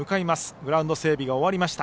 グラウンド整備が終わりました。